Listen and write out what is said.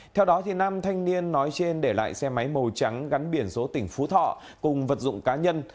theo đó nam thanh niên nói trên để lại xe máy màu trắng gắn biển số tỉnh phú thọ cùng vật dụng cá nhân